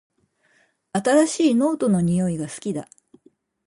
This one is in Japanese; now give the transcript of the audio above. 新しいノートの匂いが好きだ